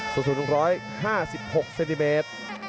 ส่วนสุดหนึ่งร้อยห้าสิบหกเซนติเมตร